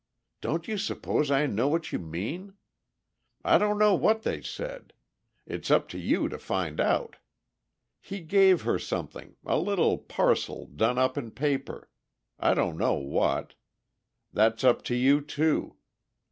Don't you suppose I know what you mean? I don't know what they said. It's up to you to find out. He gave her something, a little parcel done up in paper. I don't know what. That's up to you, too.